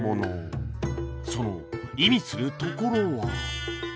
その意味するところは